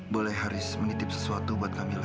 boleh haris menitip sesuatu buat kamila